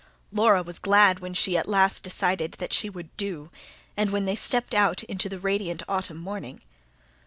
Laura was glad when she at last decided that she would "do", and when they stepped out into the radiant autumn morning.